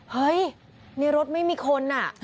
เฮ้ยนี่รถไม่มีคน